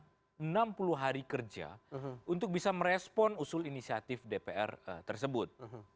memberikan durasi kepada presiden selama enam puluh hari kerja untuk bisa merespon usul inisiatif dpr tersebut